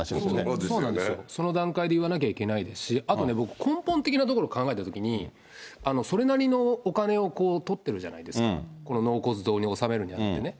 そうですよね、その段階で言わなきゃいけないですし、あとね、僕、根本的なところを考えたときに、それなりのお金を取ってるじゃないですか、この納骨堂に納めるにあたってね。